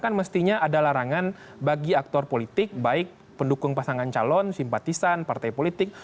kan mestinya ada larangan bagi aktor politik baik pendukung pasangan calon simpatisan partai politik